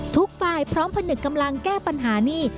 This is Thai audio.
ทุกฝ่ายพร้อมผนึกกำลังแก้ปัญหานี่